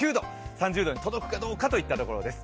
３０度に届くかどうかといったところです。